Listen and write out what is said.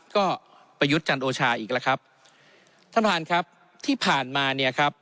ก็ประยุทธ์จันโอชาอีกแล้วครับท่านประธานครับที่ผ่านมาเนี่ยครับ